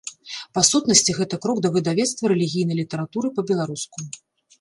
Па сутнасці, гэта крок да выдавецтва рэлігійнай літаратуры па-беларуску.